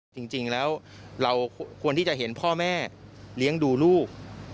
จริงแล้วเราควรที่จะเห็นพ่อแม่เลี้ยงดูลูก